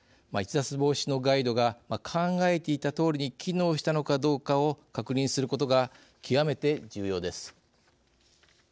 逸脱防止のガイドが考えていたとおりに機能したのかどうかを確認することが極めて重要です。